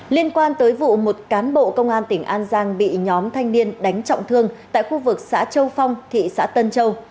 liên quan tới vụ một cán bộ công an tỉnh an giang bị nhóm thanh niên đánh trọng thương tại khu vực xã châu phong thị xã tân châu